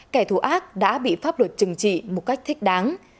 kẻ thù ác đã bị pháp luật trừng trị một cách thích đáng